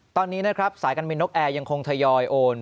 ตอนนี้นะครับสายการบินนกแอร์ยังคงทยอยโอน